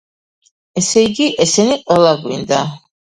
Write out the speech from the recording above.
ესე იგი, ესენი ყველა გვინდა.